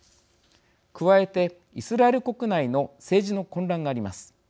加えてイスラエル国内の政治の混乱があります。